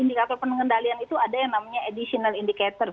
indikator pengendalian itu ada yang namanya additional indicator